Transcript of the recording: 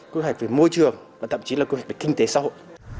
quy hoạch về môi trường và thậm chí là quy hoạch về kinh tế xã hội